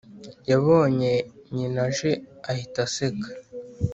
yabonye nyina aje ahita aseka